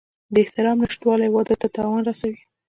د احترام نشتوالی واده ته تاوان رسوي.